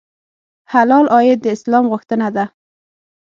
حلال عاید د اسلام غوښتنه ده.